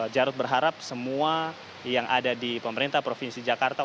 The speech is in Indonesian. jarod berharap semua yang ada di pemerintah provinsi jakarta